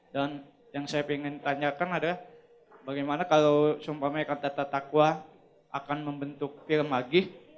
dan yang saya ingin tanyakan adalah bagaimana kalau sumpahnya kantata takwa akan membentuk film lagi